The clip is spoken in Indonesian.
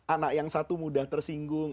anak yang satu mudah tersinggung